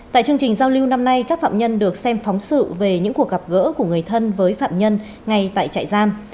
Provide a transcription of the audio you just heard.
tại chương trình giao lưu năm nay các phạm nhân được xem phóng sự về những cuộc gặp gỡ của người thân với phạm nhân ngay tại trại giam